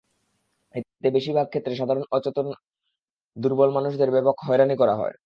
এতে বেশির ভাগ ক্ষেত্রে সাধারণ অসচেতন দুর্বল মানুষদের ব্যাপক হয়রানি করা হয়।